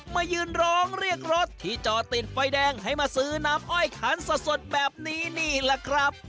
มายืนร้องเรียกรถที่จอดติดไฟแดงให้มาซื้อน้ำอ้อยขันสดแบบนี้นี่แหละครับ